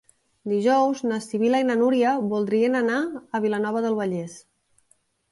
Dijous na Sibil·la i na Núria voldrien anar a Vilanova del Vallès.